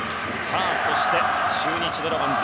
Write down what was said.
そして、中日ドラゴンズ